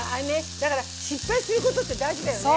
だから失敗することって大事だよね。